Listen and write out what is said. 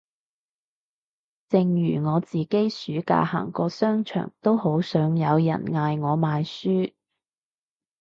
正如我自己暑假行過商場都好想有人嗌我買書